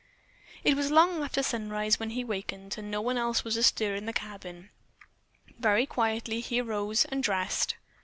It was long after sunrise when he wakened and no one else was astir in the cabin. Very quietly he arose and dressed.